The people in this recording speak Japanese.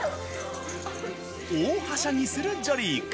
大はしゃぎするジョリー君。